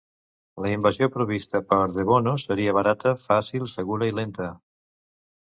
La invasió prevista per De Bono seria barata, fàcil, segura i lenta.